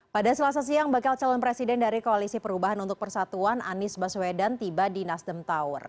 pada selasa siang bakal calon presiden dari koalisi perubahan untuk persatuan anies baswedan tiba di nasdem tower